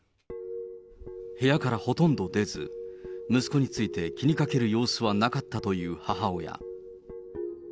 部屋からほとんど出ず、息子について気にかける様子はなかったという母親。